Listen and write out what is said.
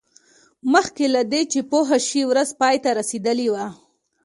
مخکې له دې چې پوه شي ورځ پای ته رسیدلې وه